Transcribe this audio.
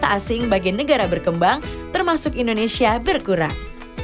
dan kemungkinan valuta asing bagi negara berkembang termasuk indonesia berkurang